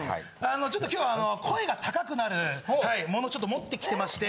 ちょっと今日は声が高くなるはい物ちょっと持ってきてまして。